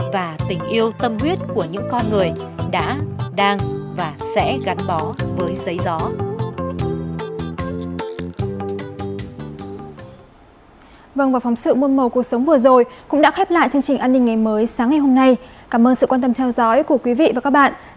và tình yêu tâm huyết của những con người đã đang và sẽ gắn bó với giấy gió